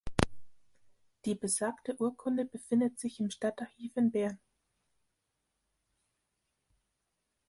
Die besagte Urkunde befindet sich im Staatsarchiv in Bern.